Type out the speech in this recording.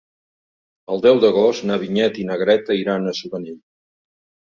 El deu d'agost na Vinyet i na Greta iran a Sudanell.